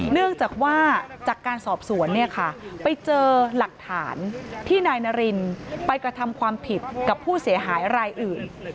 เนื่องจากว่าจากการสอบสวนเนี่ยค่ะไปเจอหลักฐานที่นายนารินไปกระทำความผิดกับผู้เสียหายรายอื่น